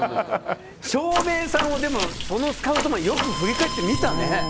照明さんをそのスカウトマンよく振り返って見たね。